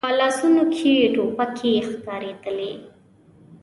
په لاسونو کې يې ټوپکې ښکارېدلې.